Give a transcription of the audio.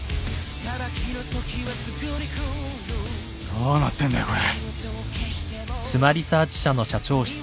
どうなってんだよこれ？